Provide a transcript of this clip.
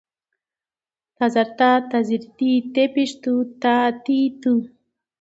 ت زر تا، ت زېر تي، ت پېښ تو، تا تي تو